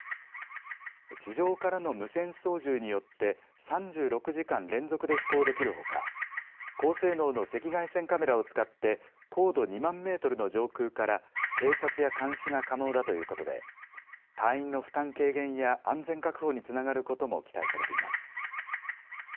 地上からの無線操縦によって３６時間連続で飛行できるほか高性能の赤外線カメラを使って高度２万メートルの上空から偵察や監視が可能だということで隊員の負担軽減や安全確保につながることも期待されています。